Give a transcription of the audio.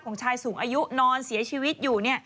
ชายสูงอายุนอนเสียชีวิตอยู่